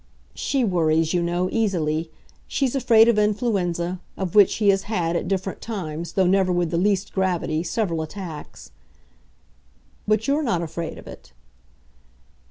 "She worries, you know, easily. She's afraid of influenza of which he has had, at different times, though never with the least gravity, several attacks." "But you're not afraid of it?"